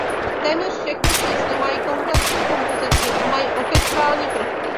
Téměř všechny písně mají komplexní kompozici a mají orchestrální prvky.